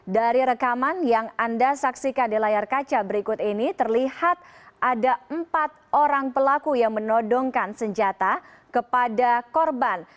dari rekaman yang anda saksikan di layar kaca berikut ini terlihat ada empat orang pelaku yang menodongkan senjata kepada korban